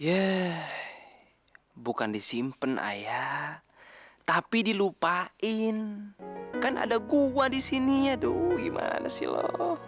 yeay bukan disimpen aya tapi dilupain kan ada gua di sini aduh gimana sih lo